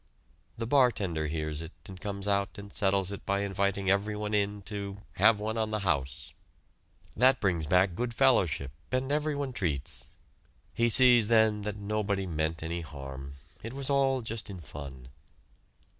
The bartender hears it and comes out and settles it by inviting everyone in to have "one on the house." That brings back good fellowship, and everyone treats. He sees then that nobody meant any harm it was all just in fun.